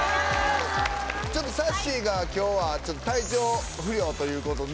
ちょっとさっしーが今日は体調不良ということで。